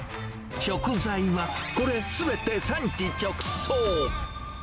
食材はこれすべて産地直送。